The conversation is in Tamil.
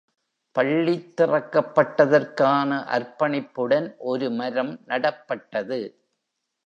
பள்ளித் திறக்கப்பட்டதற்கான அர்ப்பணிப்புடன் ஒரு மரம் நடப்பட்டது.